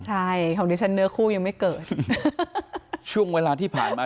ใช่ของดิฉันเนื้อคู่ยังไม่เกิดช่วงเวลาที่ผ่านมา